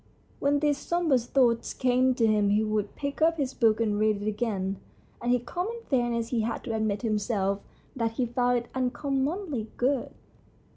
When these sombre thoughts came to him he would pick up his book and read it again, and in common fair ness he had to admit to himself that he found it uncommonly good.